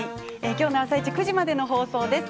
きょうの「あさイチ」９時までの放送です。